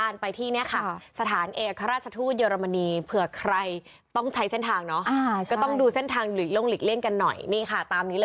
นี่ค่ะตามนี้เลยคุณผู้ชม